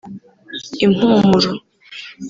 “Impumuro”